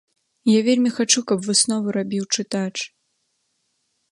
Я вельмі хачу, каб выснову рабіў чытач.